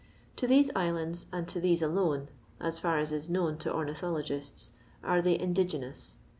To these islands and to these alone (as far as is known to ornithologists) are they indigenous.